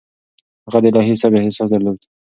هغه د الهي حساب احساس درلود.